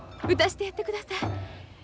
打たしてやってください。